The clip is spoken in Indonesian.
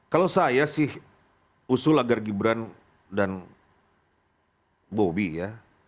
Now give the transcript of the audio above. kalau saya sih usul agar gibran dan bobi ya